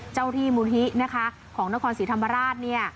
เจ้าที่มูลธินะคะของนครศรีธรรมราชเนี่ย